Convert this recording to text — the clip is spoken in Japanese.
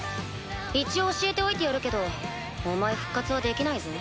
一応教えておいてやるけどお前復活はできないぞ。